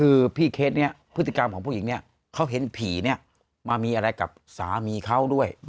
คือพี่เคสนี้พฤติกรรมของผู้หญิงเนี่ยเขาเห็นผีเนี่ยมามีอะไรกับสามีเขาด้วย